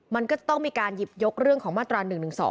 มันก็จะต้องมีการหยิบยกเรื่องของมาตรา๑๑๒